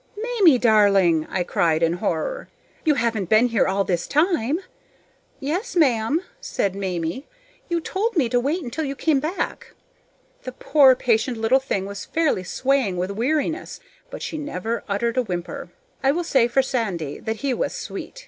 "Mamie darling!" I cried in horror. "You haven't been here all this time?" "Yes, ma'am," said Mamie; "you told me to wait until you came back." That poor patient little thing was fairly swaying with weariness, but she never uttered a whimper. I will say for Sandy that he was SWEET.